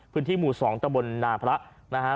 พื้นที่หมู่๒ตะบลนาพระนะฮะ